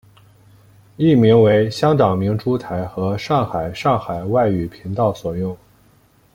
译名为香港明珠台和上海上海外语频道所用。